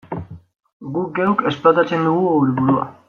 Guk geuk esplotatzen dugu geure burua.